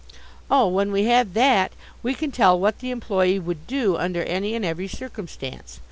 "Oh, when we have that we can tell what the employe would do under any and every circumstance.